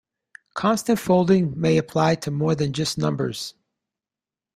Constant folding may apply to more than just numbers.